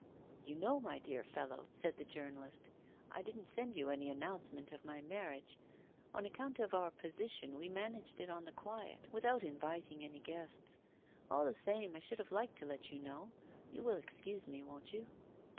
'You know, my dear fellow,' said the journalist, 'I didn't send you any announcement of my marriage. On account of our position we managed it on the quiet without inviting any guests. All the same, I should have liked to let you know. You will excuse me, won't you?